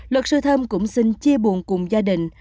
luật sư thơm cũng xin chia buồn cùng gia đình